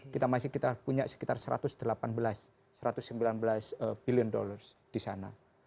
kita masih kita punya sekitar satu ratus delapan belas satu ratus sembilan belas billion dollar di sana